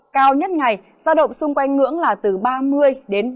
cao nhất ngày giao động xung quanh ngưỡng là từ ba mươi đến ba mươi ba độ